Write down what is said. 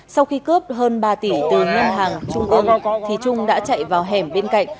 sau khi cướp hơn ba tỷ từ ngân hàng trung ương thì trung đã chạy vào hẻm bên cạnh